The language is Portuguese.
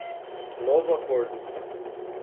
Novo Acordo